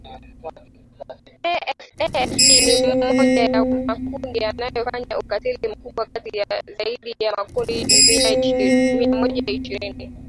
ADF ni mmoja ya makundi yanayofanya ukatili mkubwa kati ya zaidi ya makundi mia moja ishirini